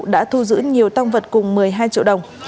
đã thu giữ nhiều tăng vật cùng một mươi hai triệu đồng